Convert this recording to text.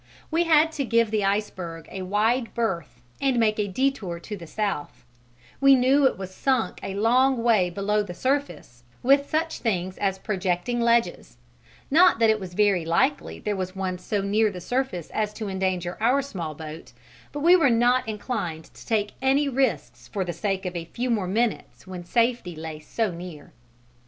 We had to give the iceberg a wide berth and make a détour to the south: we knew it was sunk a long way below the surface with such things as projecting ledges not that it was very likely there was one so near the surface as to endanger our small boat, but we were not inclined to take any risks for the sake of a few more minutes when safety lay so near.